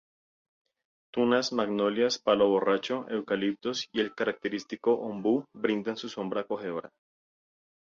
Tunas, magnolias, palo borracho, eucaliptos y el característico ombú, brindan su sombra acogedora.